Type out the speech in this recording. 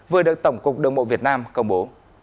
vừa được tổng cục đồng mộ việt nam công bố